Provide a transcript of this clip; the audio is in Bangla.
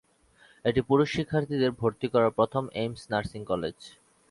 এটি পুরুষ শিক্ষার্থীদের ভর্তি করা প্রথম এইমস নার্সিং কলেজ।